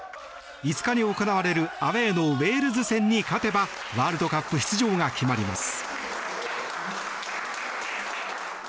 ５日に行われるアウェーのウェールズ戦に勝てばワールドカップ出場が決まります。